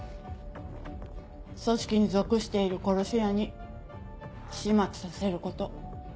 組織に属している殺し屋に始末させること。